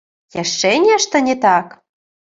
Яшчэ нешта не так?